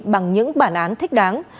bằng những bản án thích đáng